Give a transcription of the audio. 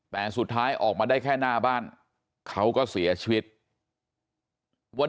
แต่สุดท้ายออกมาได้แค่หน้าบ้านเขาก็เสียชีวิตวัน